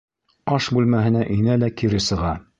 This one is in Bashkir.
Аш бүлмәһенә инәлә кире сыға.